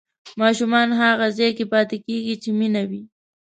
ماشومان هغه ځای کې پاتې کېږي چې مینه وي.